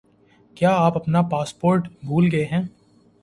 کیا آپ اپنا پاسورڈ بھول گئے ہیں